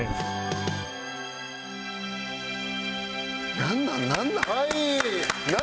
なんなん？